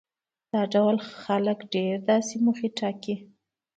دا ډول خلک ډېری وخت داسې موخې ټاکي.